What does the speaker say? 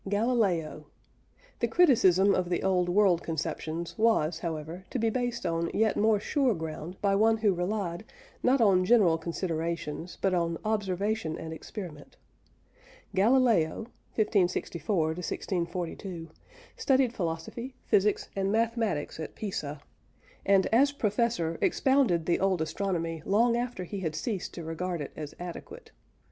GALILEO. The criticism of the old world conceptions was, however, to be based on yet more sure ground by one who relied, not on general considerations, but on observation and experiment. Galileo (1564 1642) studied philosophy, physics, and mathematics at Pisa; and as professor expounded the old astronomy long after he had ceased to regard it as adequate.